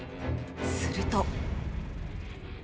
すると。